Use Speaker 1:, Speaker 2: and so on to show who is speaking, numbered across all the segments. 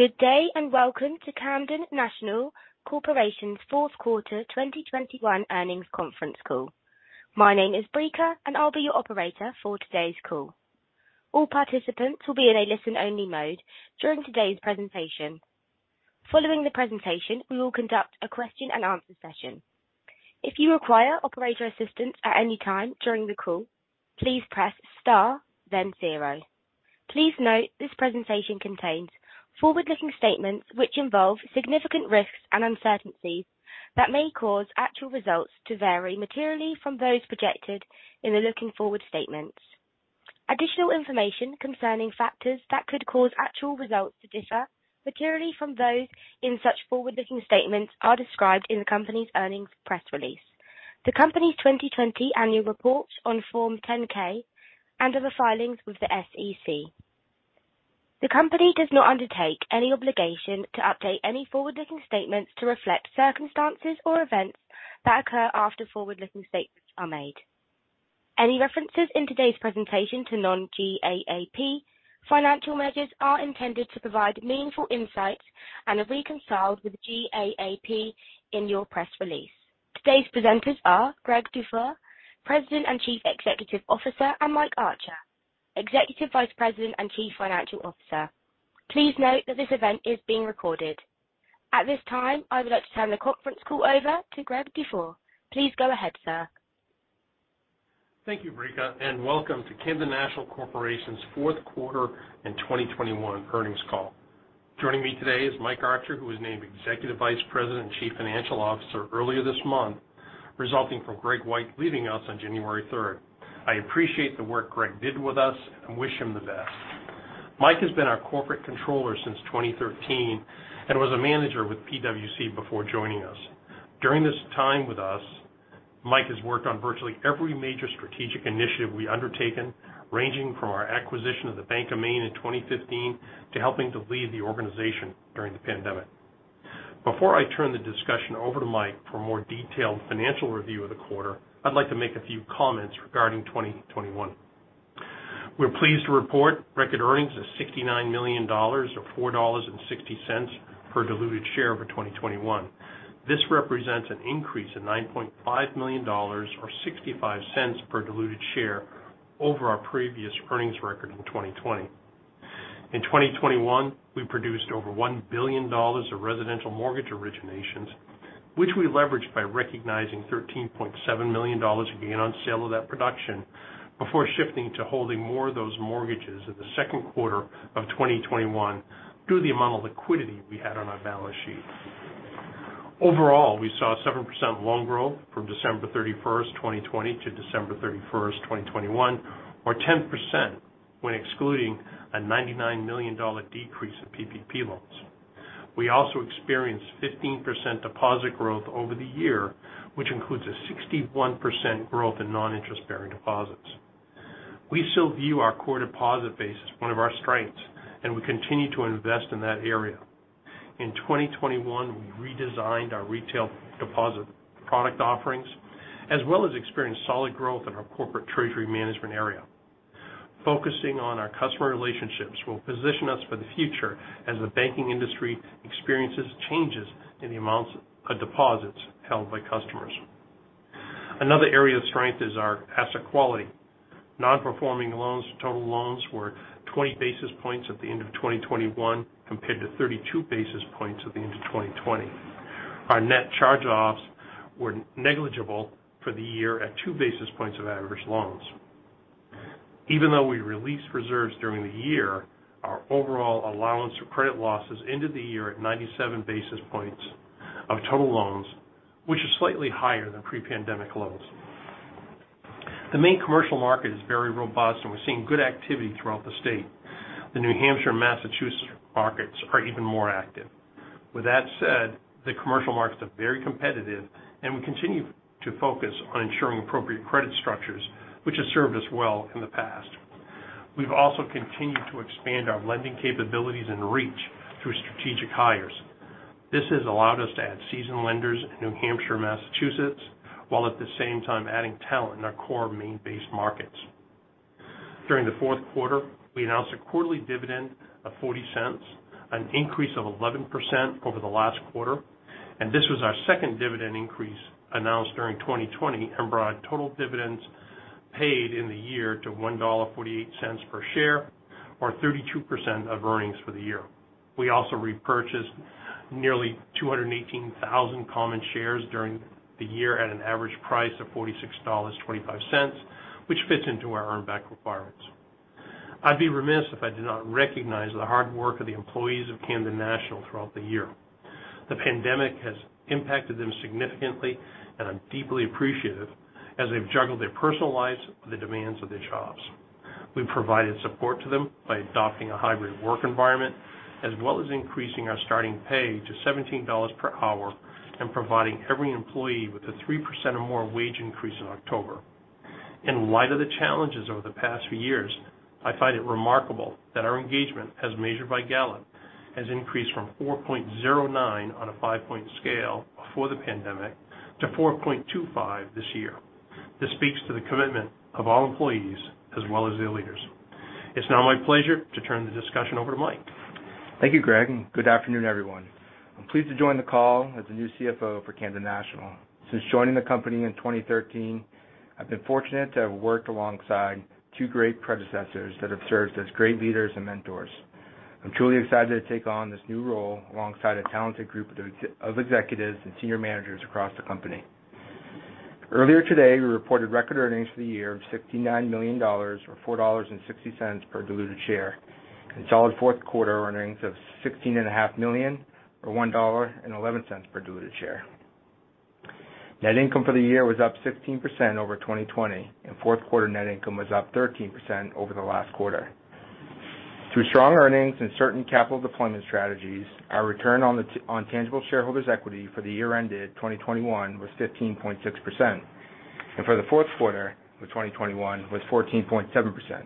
Speaker 1: Good day, and welcome to Camden National Corporation's Q4 2021 Earnings Conference Call. My name is Brica, and I'll be your operator for today's call. All participants will be in a listen-only mode during today's presentation. Following the presentation, we will conduct a question-and-answer session. If you require operator assistance at any time during the call, please press star then zero. Please note this presentation contains forward-looking statements which involve significant risks and uncertainties that may cause actual results to vary materially from those projected in the forward-looking statements. Additional information concerning factors that could cause actual results to differ materially from those in such forward-looking statements are described in the company's earnings press release, the company's 2020 annual report on Form 10-K, and other filings with the SEC. The company does not undertake any obligation to update any forward-looking statements to reflect circumstances or events that occur after forward-looking statements are made. Any references in today's presentation to non-GAAP financial measures are intended to provide meaningful insights and are reconciled with GAAP in your press release. Today's presenters are Greg Dufour, President and Chief Executive Officer, and Mike Archer, Executive Vice President and Chief Financial Officer. Please note that this event is being recorded. At this time, I would like to turn the conference call over to Greg Dufour. Please go ahead, sir.
Speaker 2: Thank you, Brica, and welcome to Camden National Corporation's Q4 and 2021 earnings call. Joining me today is Mike Archer who was named Executive Vice President and Chief Financial Officer earlier this month, resulting from Greg White leaving us on January 3rd. I appreciate the work Greg did with us and wish him the best. Mike has been our corporate controller since 2013 and was a manager with PwC before joining us. During his time with us, Mike has worked on virtually every major strategic initiative we've undertaken, ranging from our acquisition of the Bank of Maine in 2015 to helping to lead the organization during the pandemic. Before I turn the discussion over to Mike for a more detailed financial review of the quarter, I'd like to make a few comments regarding 2021. We're pleased to report record earnings of $69 million or $4.60 per diluted share for 2021. This represents an increase of $9.5 million or $0.65 per diluted share over our previous earnings record in 2020. In 2021, we produced over $1 billion of residential mortgage originations, which we leveraged by recognizing $13.7 million gain on sale of that production before shifting to holding more of those mortgages in the Q2 of 2021 due to the amount of liquidity we had on our balance sheet. Overall, we saw 7% loan growth from December 31st, 2020-December 31st, 2021, or 10% when excluding a $99 million decrease in PPP loans. We also experienced 15% deposit growth over the year, which includes a 61% growth in non-interest-bearing deposits. We still view our core deposit base as one of our strengths, and we continue to invest in that area. In 2021, we redesigned our retail deposit product offerings, as well as experienced solid growth in our corporate treasury management area. Focusing on our customer relationships will position us for the future as the banking industry experiences changes in the amounts of deposits held by customers. Another area of strength is our asset quality. Non-performing loans to total loans were 20 basis points at the end of 2021 compared to 32 basis points at the end of 2020. Our net charge-offs were negligible for the year at two basis points of average loans. Even though we released reserves during the year, our overall allowance for credit losses ended the year at 97 basis points of total loans, which is slightly higher than pre-pandemic levels. The main commercial market is very robust, and we're seeing good activity throughout the state. The New Hampshire and Massachusetts markets are even more active. With that said, the commercial markets are very competitive, and we continue to focus on ensuring appropriate credit structures, which has served us well in the past. We've also continued to expand our lending capabilities and reach through strategic hires. This has allowed us to add seasoned lenders in New Hampshire and Massachusetts, while at the same time adding talent in our core Maine-based markets. During the Q4, we announced a quarterly dividend of $0.40, an increase of 11% over the last quarter, and this was our second dividend increase announced during 2020 and brought total dividends paid in the year to $1.48 per share or 32% of earnings for the year. We also repurchased nearly 218,000 common shares during the year at an average price of $46.25, which fits into our earn back requirements. I'd be remiss if I did not recognize the hard work of the employees of Camden National throughout the year. The pandemic has impacted them significantly, and I'm deeply appreciative as they've juggled their personal lives with the demands of their jobs. We've provided support to them by adopting a hybrid work environment as well as increasing our starting pay to $17 per hour and providing every employee with a 3% or more wage increase in October. In light of the challenges over the past few years, I find it remarkable that our engagement, as measured by Gallup, has increased from 4.09 on a 5-point scale before the pandemic to 4.25 this year. This speaks to the commitment of all employees as well as their leaders. It's now my pleasure to turn the discussion over to Mike.
Speaker 3: Thank you, Greg, and good afternoon, everyone. I'm pleased to join the call as the new CFO for Camden National. Since joining the company in 2013, I've been fortunate to have worked alongside two great predecessors that have served as great leaders and mentors. I'm truly excited to take on this new role alongside a talented group of executives and senior managers across the company. Earlier today, we reported record earnings for the year of $69 million or $4.60 per diluted share, and solid Q4 earnings of $16.5 million, or $1.11 per diluted share. Net income for the year was up 16% over 2020, and Q4 net income was up 13% over the last quarter. Through strong earnings and certain capital deployment strategies, our return on tangible shareholders' equity for the year ended 2021 was 15.6%. Our return on tangible shareholders' equity for the Q4 of 2021 was 14.7%.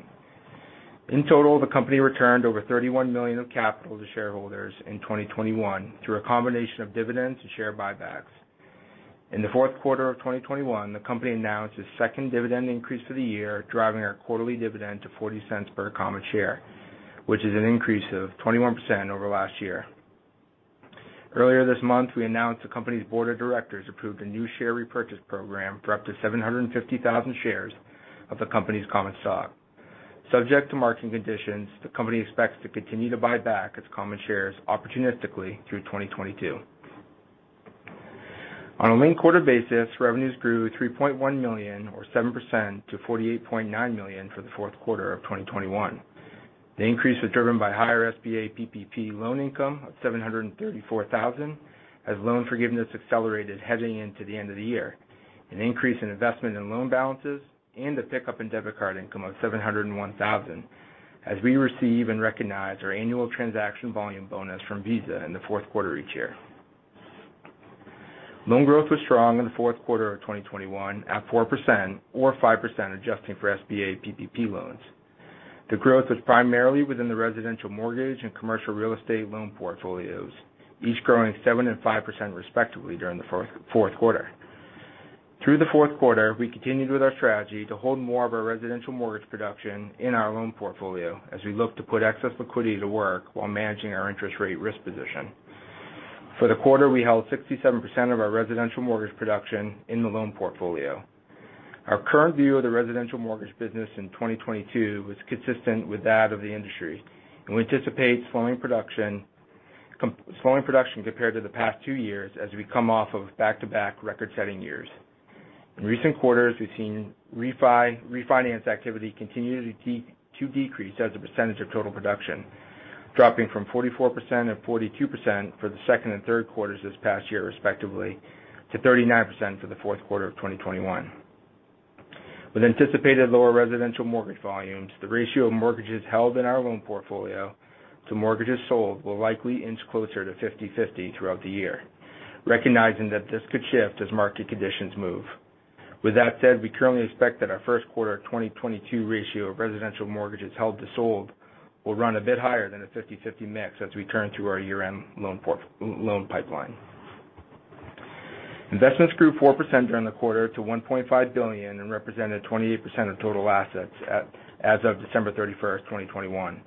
Speaker 3: In total, the company returned over $31 million of capital to shareholders in 2021 through a combination of dividends and share buybacks. In the Q4 of 2021, the company announced its second dividend increase for the year, driving our quarterly dividend to $0.40 per common share, which is an increase of 21% over last year. Earlier this month, we announced the company's board of directors approved a new share repurchase program for up to 750,000 shares of the company's common stock. Subject to market conditions, the company expects to continue to buy back its common shares opportunistically through 2022. On a linked-quarter basis, revenues grew $3.1 million or 7% to $48.9 million for the Q4 of 2021. The increase was driven by higher SBA PPP loan income of $734 thousand, as loan forgiveness accelerated heading into the end of the year, an increase in investments and loan balances, and a pickup in debit card income of $701 thousand as we receive and recognize our annual transaction volume bonus from Visa in the Q4 each year. Loan growth was strong in the Q4 of 2021 at 4% or 5% adjusting for SBA PPP loans. The growth was primarily within the residential mortgage and commercial real estate loan portfolios, each growing 7% and 5%, respectively, during the Q4. Through the Q4, we continued with our strategy to hold more of our residential mortgage production in our loan portfolio as we look to put excess liquidity to work while managing our interest rate risk position. For the quarter, we held 67% of our residential mortgage production in the loan portfolio. Our current view of the residential mortgage business in 2022 was consistent with that of the industry, and we anticipate slowing production compared to the past two years as we come off of back-to-back record-setting years. In recent quarters, we've seen refinance activity continue to decrease as a percentage of total production, dropping from 44% and 42% for the second and Q3s this past year, respectively, to 39% for the Q4 of 2021. With anticipated lower residential mortgage volumes, the ratio of mortgages held in our loan portfolio to mortgages sold will likely inch closer to 50/50 throughout the year. Recognizing that this could shift as market conditions move. With that said, we currently expect that our Q1 of 2022 ratio of residential mortgages held to sold will run a bit higher than a 50/50 mix as we turn to our year-end loan pipeline. Investments grew 4% during the quarter to $1.5 billion and represented 28% of total assets as of December 31st, 2021,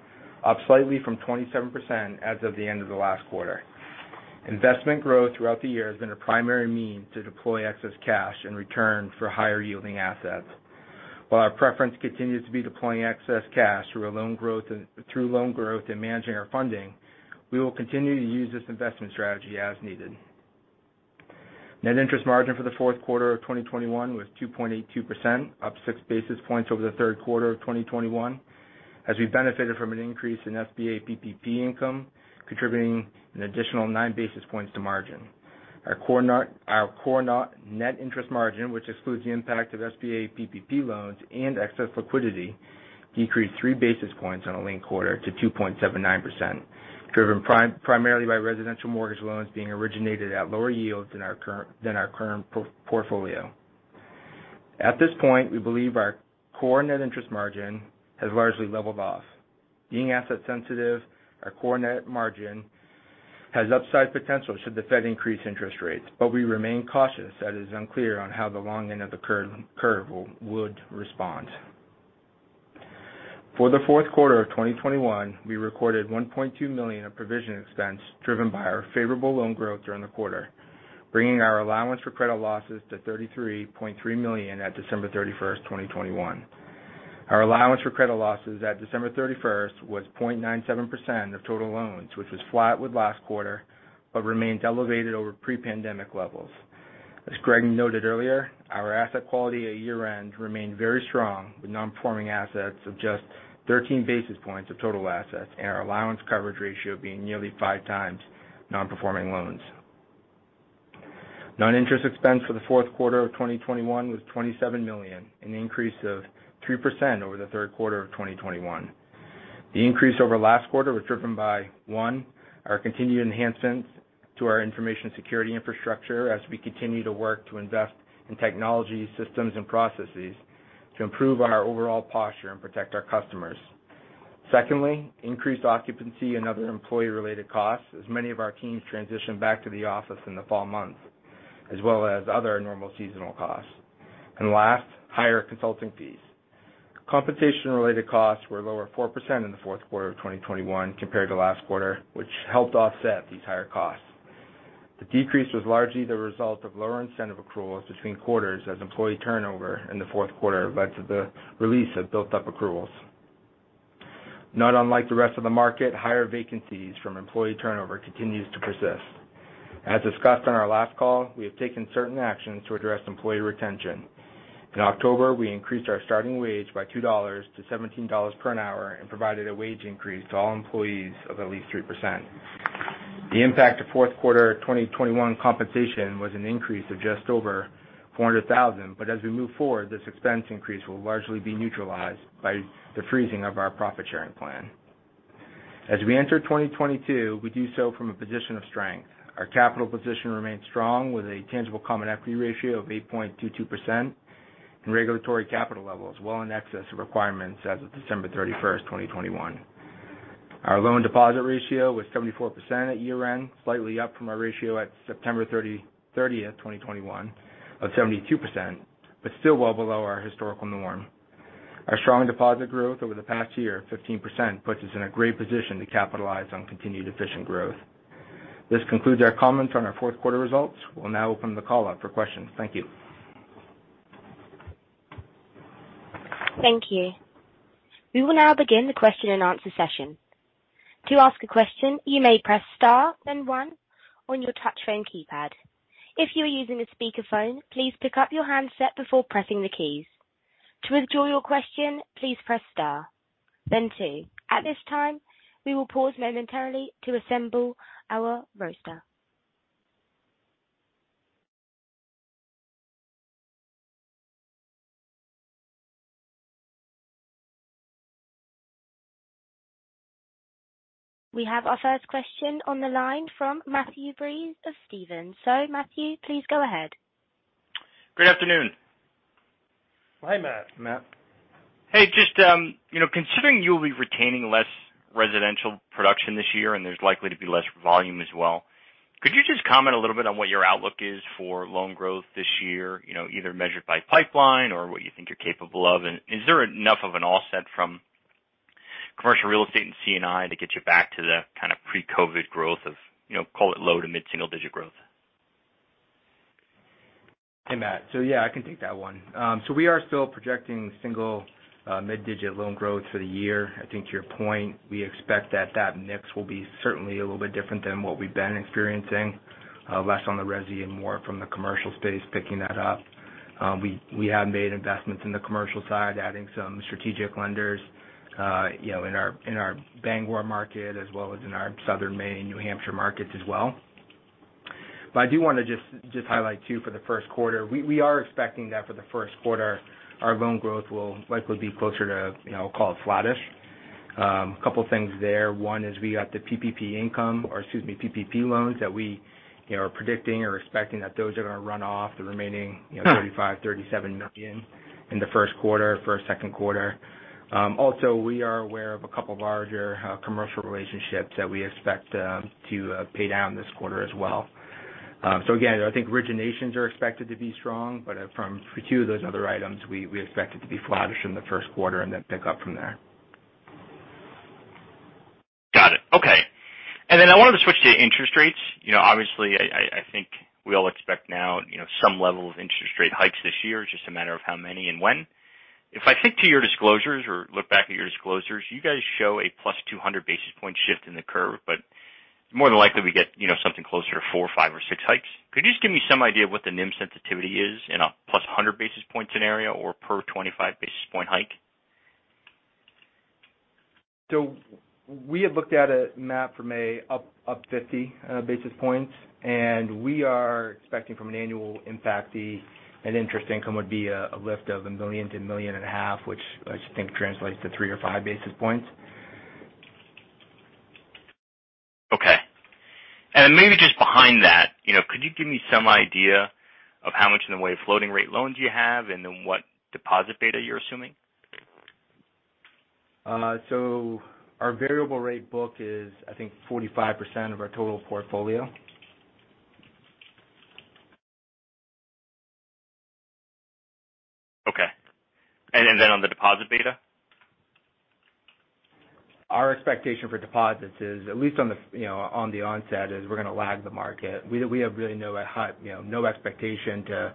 Speaker 3: up slightly from 27% as of the end of the last quarter. Investment growth throughout the year has been a primary means to deploy excess cash in return for higher-yielding assets. While our preference continues to be deploying excess cash through loan growth and managing our funding, we will continue to use this investment strategy as needed. Net interest margin for the Q4 of 2021 was 2.82%, up 6 basis points over the Q3 of 2021, as we benefited from an increase in SBA PPP income, contributing an additional 9 basis points to margin. Our core net interest margin, which excludes the impact of SBA PPP loans and excess liquidity, decreased 3 basis points on a linked quarter to 2.79%, driven primarily by residential mortgage loans being originated at lower yields than our current portfolio. At this point, we believe our core net interest margin has largely leveled off. Being asset sensitive, our core net margin has upside potential should the Fed increase interest rates, but we remain cautious, as it is unclear how the long end of the curve will respond. For the Q4 of 2021, we recorded $1.2 million in provision expense driven by our favorable loan growth during the quarter, bringing our allowance for credit losses to $33.3 million at December 31st, 2021. Our allowance for credit losses at December 31st was 0.97% of total loans, which was flat with last quarter but remains elevated over pre-pandemic levels. As Greg noted earlier, our asset quality at year-end remained very strong, with non-performing assets of just 13 basis points of total assets and our allowance coverage ratio being nearly five times non-performing loans. Non-interest expense for the Q4 of 2021 was $27 million, an increase of 3% over the Q3 of 2021. The increase over last quarter was driven by, one, our continued enhancements to our information security infrastructure as we continue to work to invest in technology systems and processes to improve our overall posture and protect our customers. Secondly, increased occupancy and other employee related costs as many of our teams transition back to the office in the fall months, as well as other normal seasonal costs. Last, higher consulting fees. Compensation related costs were lower 4% in the Q4 of 2021 compared to last quarter, which helped offset these higher costs. The decrease was largely the result of lower incentive accruals between quarters as employee turnover in the Q4 led to the release of built up accruals. Not unlike the rest of the market, higher vacancies from employee turnover continues to persist. As discussed on our last call, we have taken certain actions to address employee retention. In October, we increased our starting wage by $2-$17 per hour and provided a wage increase to all employees of at least 3%. The impact of Q4 2021 compensation was an increase of just over $400,000. As we move forward, this expense increase will largely be neutralized by the freezing of our profit sharing plan. As we enter 2022, we do so from a position of strength. Our capital position remains strong with a tangible common equity ratio of 8.22% and regulatory capital levels well in excess of requirements as of December 31st, 2021. Our loan deposit ratio was 74% at year-end, slightly up from our ratio at September 30th, 2021 of 72%, but still well below our historical norm. Our strong deposit growth over the past year, 15%, puts us in a great position to capitalize on continued efficient growth. This concludes our comments on our Q4 results. We'll now open the call up for questions. Thank you.
Speaker 1: Thank you. We will now begin the question and answer session. We have our first question on the line from Matthew Breese of Stephens. Matthew, please go ahead.
Speaker 4: Good afternoon.
Speaker 3: Hi, Matt.
Speaker 1: Matt.
Speaker 4: Hey, just, you know, considering you'll be retaining less residential production this year and there's likely to be less volume as well, could you just comment a little bit on what your outlook is for loan growth this year? You know, either measured by pipeline or what you think you're capable of. Is there enough of an offset from commercial real estate and C&I to get you back to the kind of pre-COVID growth of, you know, call it low- to mid-single-digit growth?
Speaker 3: Hey, Matt. Yeah, I can take that one. We are still projecting single mid-digit loan growth for the year. I think to your point, we expect that mix will be certainly a little bit different than what we've been experiencing, less on the resi and more from the commercial space picking that up. We have made investments in the commercial side, adding some strategic lenders, you know, in our Bangor market as well as in our Southern Maine, New Hampshire markets as well. I do wanna just highlight too for the Q1. We are expecting that for the Q1, our loan growth will likely be closer to, you know, call it flattish. A couple things there. One is we got the PPP income or excuse me, PPP loans that we, you know, are predicting or expecting that those are gonna run off the remaining, you know, $35-$37 million in the Q1 or Q2. Also we are aware of a couple of larger commercial relationships that we expect to pay down this quarter as well. Again, I think originations are expected to be strong, but for two of those other items, we expect it to be flattish in the Q1 and then pick up from there.
Speaker 4: Got it. Okay. I wanted to switch to interest rates. You know, obviously, I think we all expect now, you know, some level of interest rate hikes this year. It's just a matter of how many and when. If I turn to your disclosures or look back at your disclosures, you guys show a +200 basis point shift in the curve, but more than likely we get, you know, something closer to four, five, or six hikes. Could you just give me some idea of what the NIM sensitivity is in a +100 basis point scenario or per 25 basis point hike?
Speaker 3: We have looked at it, Matt, from up 50 basis points. We are expecting from an annual impact fee, an interest income would be a lift of $1 million-$1.5 million, which I think translates to three or five basis points.
Speaker 4: Okay. Maybe just behind that, you know, could you give me some idea of how much in the way of floating rate loans you have and then what deposit beta you're assuming?
Speaker 3: Our variable rate book is, I think, 45% of our total portfolio.
Speaker 4: Okay. On the deposit beta?
Speaker 3: Our expectation for deposits is at least on the, you know, on the onset, is we're gonna lag the market. We have really no high you know no expectation to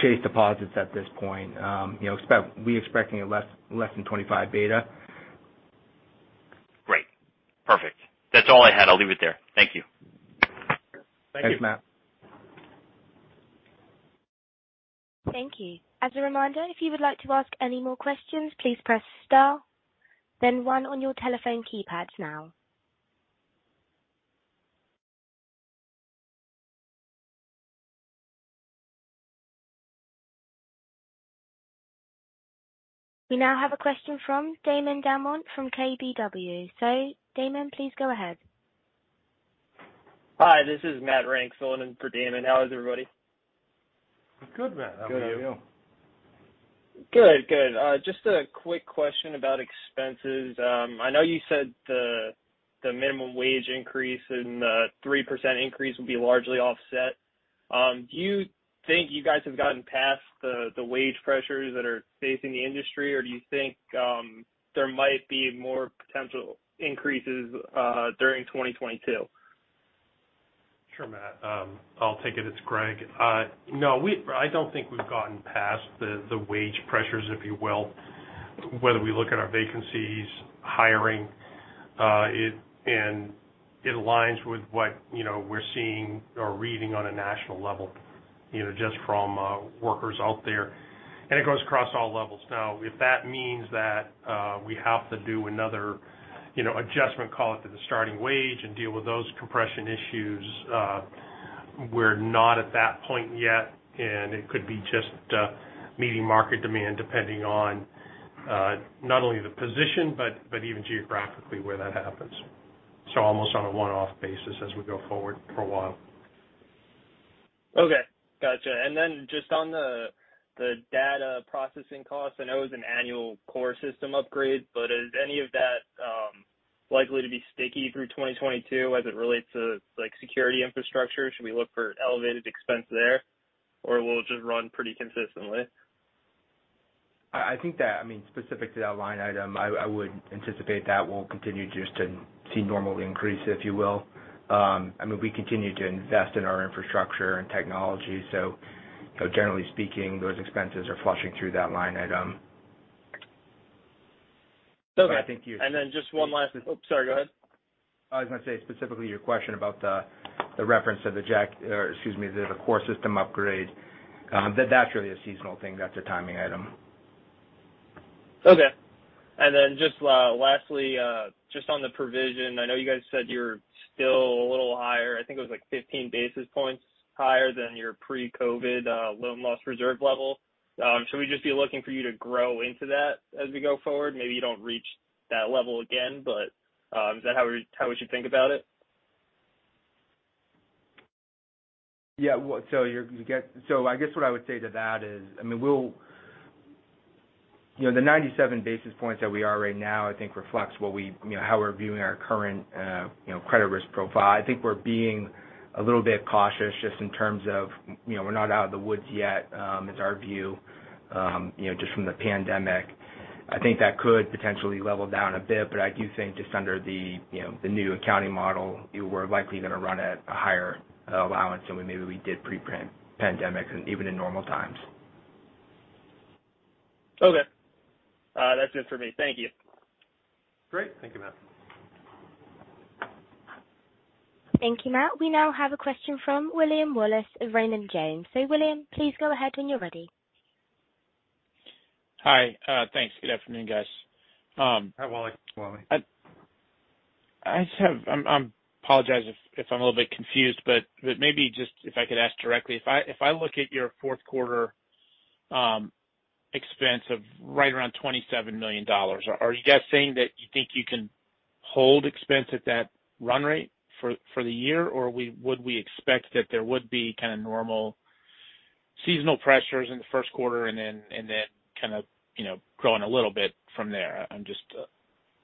Speaker 3: chase deposits at this point. You know we expecting a less than 25 beta.
Speaker 4: Great. Perfect. That's all I had. I'll leave it there. Thank you.
Speaker 3: Thank you.
Speaker 1: Thank you. We now have a question from Damon Dumont from KBW. Damon, please go ahead.
Speaker 5: Hi, this is Matt Rank, Solomon for Damon. How is everybody?
Speaker 2: Good, Matt. How are you?
Speaker 3: Good. How are you?
Speaker 6: Good, good. Just a quick question about expenses. I know you said the minimum wage increase and 3% increase will be largely offset. Do you think you guys have gotten past the wage pressures that are facing the industry, or do you think there might be more potential increases during 2022?
Speaker 2: Sure, Matt. I'll take it. It's Greg. No. I don't think we've gotten past the wage pressures, if you will. Whether we look at our vacancies, hiring, and it aligns with what, you know, we're seeing or reading on a national level, you know, just from workers out there. It goes across all levels. Now, if that means that we have to do another, you know, adjustment, call it, to the starting wage and deal with those compression issues, we're not at that point yet, and it could be just meeting market demand, depending on not only the position, but even geographically where that happens. Almost on a one-off basis as we go forward for a while.
Speaker 6: Okay. Gotcha. Just on the data processing cost, I know it was an annual core system upgrade, but is any of that likely to be sticky through 2022 as it relates to, like, security infrastructure? Should we look for elevated expense there, or will it just run pretty consistently?
Speaker 3: I think that, I mean, specific to that line item, I would anticipate that will continue just to see normal increase, if you will. I mean, we continue to invest in our infrastructure and technology, so, you know, generally speaking, those expenses are flushing through that line item.
Speaker 5: Okay.
Speaker 3: I think you
Speaker 5: Oops, sorry, go ahead.
Speaker 3: I was gonna say, specifically your question about the reference to the core system upgrade, that's really a seasonal thing. That's a timing item.
Speaker 5: Okay. Then just, lastly, just on the provision, I know you guys said you're still a little higher. I think it was like 15 basis points higher than your pre-COVID loan loss reserve level. Should we just be looking for you to grow into that as we go forward? Maybe you don't reach that level again, but, is that how we should think about it?
Speaker 3: Yeah. Well, I guess what I would say to that is, I mean, you know, the 97 basis points that we are right now I think reflects what we, you know, how we're viewing our current, you know, credit risk profile. I think we're being a little bit cautious just in terms of, you know, we're not out of the woods yet, is our view, you know, just from the pandemic. I think that could potentially level down a bit, but I do think just under the, you know, the new accounting model, we're likely gonna run at a higher, allowance than we maybe did pre-pandemic and even in normal times.
Speaker 6: Okay. That's it for me. Thank you.
Speaker 2: Great. Thank you, Matt.
Speaker 1: Thank you, Matt. We now have a question from William Wallace of Raymond James. William, please go ahead when you're ready.
Speaker 7: Hi. Thanks. Good afternoon, guys.
Speaker 2: Hi, Wally.
Speaker 3: Wally.
Speaker 7: I apologize if I'm a little bit confused, but maybe just if I could ask directly. If I look at your Q4 expense of right around $27 million, are you guys saying that you think you can hold expense at that run rate for the year, or would we expect that there would be kind a normal seasonal pressures in the Q1 and then kind a you know growing a little bit from there? I was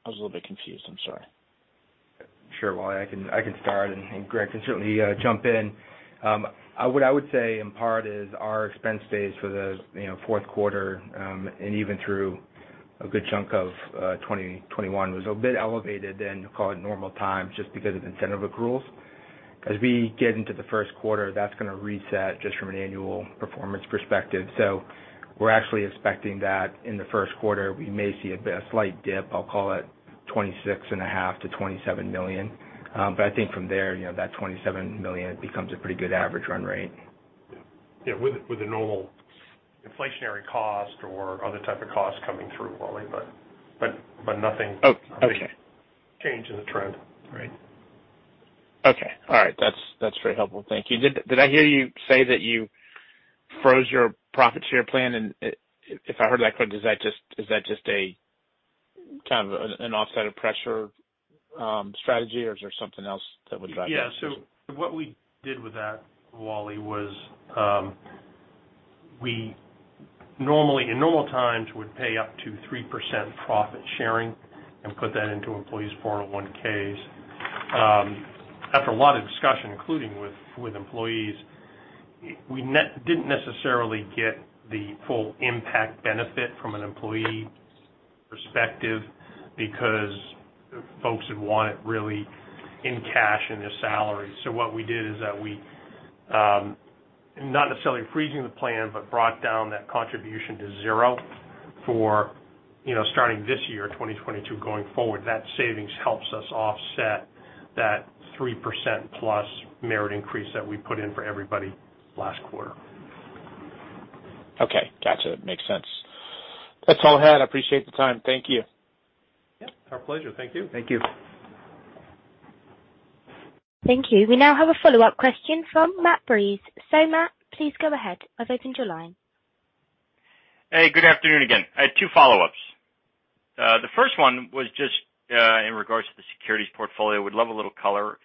Speaker 7: a little bit confused. I'm sorry.
Speaker 3: Sure, Wally. I can start, and Greg can certainly jump in. I would say in part is our expense base for the, you know, Q4, and even through a good chunk of 2021 was a bit elevated than, call it normal times, just because of incentive accruals. As we get into the Q1, that's gonna reset just from an annual performance perspective. We're actually expecting that in the Q1 we may see a bit, a slight dip. I'll call it $26.5 million-$27 million. But I think from there, you know, that $27 million becomes a pretty good average run rate.
Speaker 2: Yeah. With the normal inflationary cost or other type of costs coming through, Wally, but nothing.
Speaker 7: Oh, okay.
Speaker 2: Change in the trend. Right?
Speaker 7: Okay. All right. That's very helpful. Thank you. Did I hear you say that you froze your profit share plan? If I heard that correctly, is that just a kind of an offset of pressure strategy, or is there something else that would drive that decision?
Speaker 2: Yeah. What we did with that, Wally, was, we normally in normal times would pay up to 3% profit sharing and put that into employees' 401(k)s. After a lot of discussion, including with employees, we didn't necessarily get the full impact benefit from an employee perspective because folks would want it really in cash in their salary. What we did is that we not necessarily freezing the plan, but brought down that contribution to zero for, you know, starting this year, 2022, going forward. That savings helps us offset that 3% plus merit increase that we put in for everybody last quarter.
Speaker 7: Okay. Gotcha. Makes sense. That's all I had. I appreciate the time. Thank you.
Speaker 2: Yeah, our pleasure. Thank you.
Speaker 3: Thank you.
Speaker 1: Thank you. We now have a follow-up question from Matthew Breese. Matt, please go ahead. I've opened your line.
Speaker 4: Hey, good afternoon again. I had two follow-ups. The first one was just in regards to the securities portfolio. Would love a little color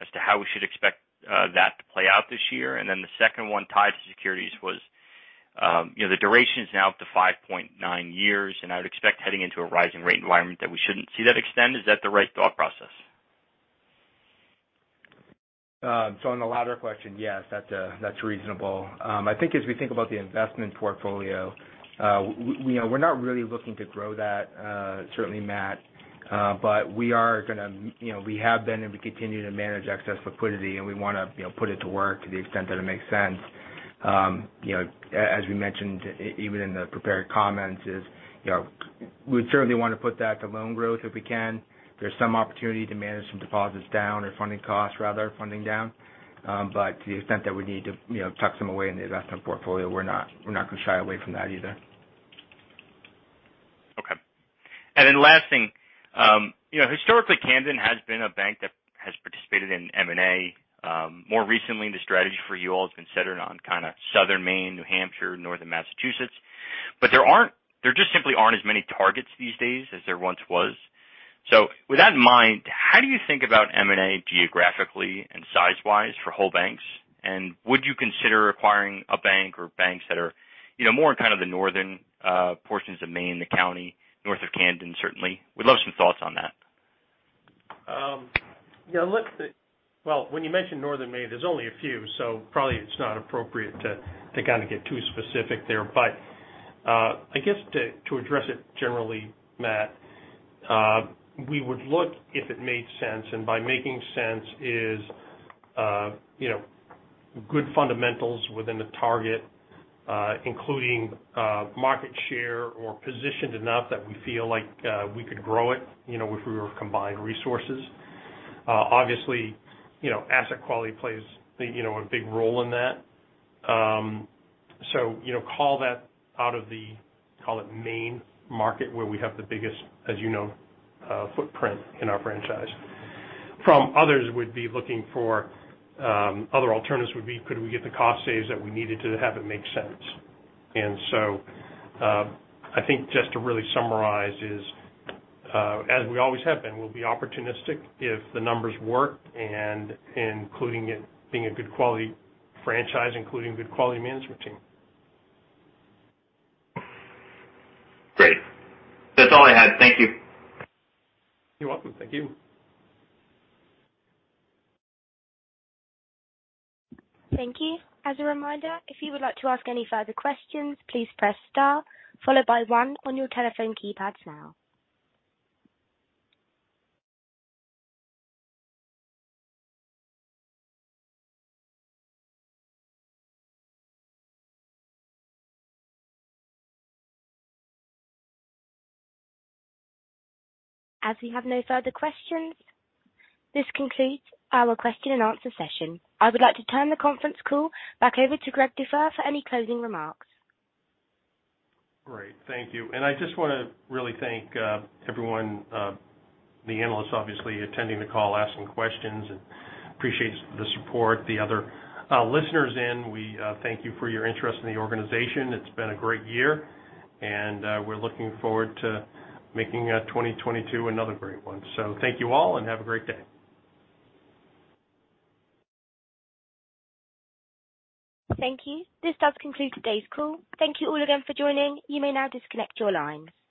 Speaker 4: as to how we should expect that to play out this year. The 2nd one tied to securities was the duration is now up to 5.9 years, and I would expect heading into a rising rate environment that we shouldn't see that extend. Is that the right thought process?
Speaker 2: On the latter question, yes, that's reasonable. I think as we think about the investment portfolio, we, you know, we're not really looking to grow that, certainly, Matt. We are gonna, you know, we have been, and we continue to manage excess liquidity, and we wanna, you know, put it to work to the extent that it makes sense. As we mentioned, even in the prepared comments, you know, we certainly want to put that to loan growth if we can. There's some opportunity to manage some deposits down or funding costs rather funding down. To the extent that we need to, you know, tuck some away in the investment portfolio, we're not gonna shy away from that either.
Speaker 4: Okay. Last thing. You know, historically, Camden has been a bank that has participated in M&A. More recently, the strategy for you all has been centered on kind of southern Maine, New Hampshire, northern Massachusetts. There just simply aren't as many targets these days as there once was. With that in mind, how do you think about M&A geographically and size-wise for whole banks? Would you consider acquiring a bank or banks that are, you know, more in kind of the northern portions of Maine, the county north of Camden, certainly? We'd love some thoughts on that.
Speaker 2: Yeah, look, well, when you mention northern Maine, there's only a few, so probably it's not appropriate to kind of get too specific there. I guess to address it generally, Matt, we would look if it made sense, and by making sense is, you know, good fundamentals within the target, including market share or positioned enough that we feel like we could grow it, you know, if we were combined resources. Obviously, you know, asset quality plays, you know, a big role in that. You know, call it Maine market where we have the biggest, as you know, footprint in our franchise. From others, we'd be looking for other alternatives would be could we get the cost saves that we needed to have it make sense. I think just to really summarize, as we always have been, we'll be opportunistic if the numbers work, including it being a good quality franchise, including good quality management team.
Speaker 4: Great. That's all I had. Thank you.
Speaker 2: You're welcome. Thank you.
Speaker 1: Thank you. I would like to turn the conference call back over to Greg Dufour for any closing remarks.
Speaker 2: Great. Thank you. I just wanna really thank everyone, the analysts obviously attending the call, asking questions and appreciate the support. The other listeners in, we thank you for your interest in the organization. It's been a great year, and we're looking forward to making 2022 another great one. Thank you all, and have a great day.
Speaker 1: Thank you. This does conclude today's call. Thank you all again for joining. You may now disconnect your lines.